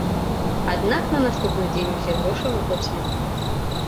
Аднак на наступны дзень усе грошы выплацілі.